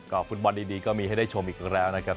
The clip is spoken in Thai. ก็ฟุตบอลดีก็มีให้ได้ชมอีกแล้วนะครับ